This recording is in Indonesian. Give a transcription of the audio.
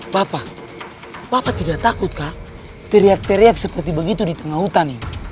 bapak bapak tidak takut kak teriak teriak seperti begitu di tengah hutan ini